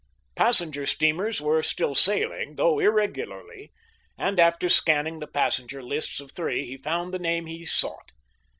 Passenger steamers were still sailing, though irregularly, and after scanning the passenger lists of three he found the name he sought.